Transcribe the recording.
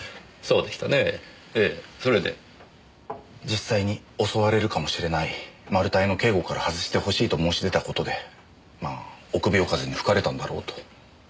実際に襲われるかもしれないマル対の警護からはずしてほしいと申し出た事でまあ臆病風に吹かれたんだろうと。